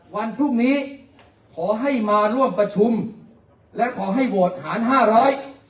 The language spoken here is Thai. วันพรุ่งนี้ขอให้มาร่วมประชุมและขอให้โหวตหารห้าร้อย